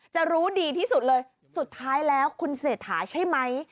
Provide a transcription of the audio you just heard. จะรู้ดีที่สุดเลยสุดท้ายแล้วคุณเศรษฐาใช่ไหม